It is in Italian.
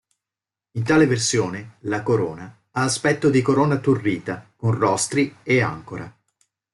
In tale versione la corona ha aspetto di corona turrita con rostri e àncora.